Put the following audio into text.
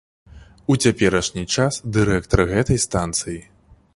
У цяперашні час дырэктар гэтай станцыі.